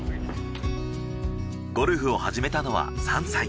ゴルフを始めたのは３歳。